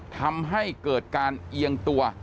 ทำให้เกิดการเอียงตัว